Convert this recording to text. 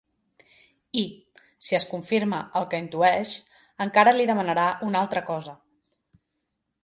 I, si es confirma el que intueix, encara li demanarà una altra cosa.